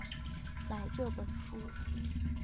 买这本书